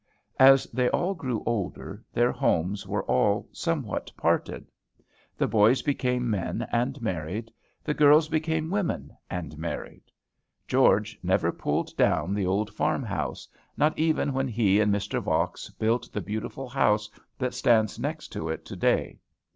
As they all grew older their homes were all somewhat parted. The boys became men and married. The girls became women and married. George never pulled down the old farm house, not even when he and Mr. Vaux built the beautiful house that stands next to it to day.